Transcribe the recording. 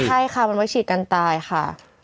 ใช่ค่ะมันว่าฉีดการตายค่ะ